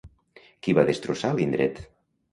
Qui va destrossar l'indret?